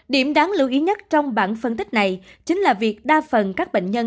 điểm đáng lưu ý nhất trong bản phân tích này chính là việc đa phần các bệnh nhân